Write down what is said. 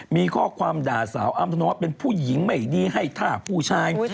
มีข้อความด่าสาวอ้ำธนวดเป็นผู้หญิงไม่ดีให้ท่าผู้ชาย